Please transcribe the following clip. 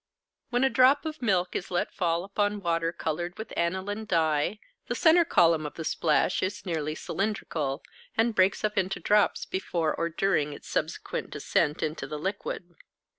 When a drop of milk is let fall upon water coloured with aniline dye, the centre column of the splash is nearly cylindrical, and breaks up into drops before or during its subsequent descent into the liquid.